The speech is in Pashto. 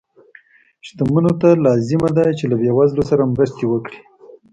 شتمنو ته لازمه ده چې له بې وزلو سره مرستې وکړي.